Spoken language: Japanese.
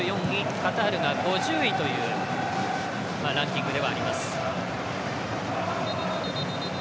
カタールが５０位というランキングではあります。